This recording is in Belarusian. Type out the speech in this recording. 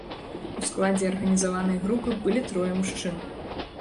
У складзе арганізаванай групы былі трое мужчын.